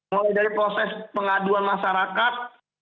mulai dari proses pengaduan masyarakat